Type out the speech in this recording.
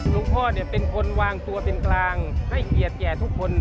พ่อเป็นคนวางตัวเป็นกลางให้เกียรติแก่ทุกคน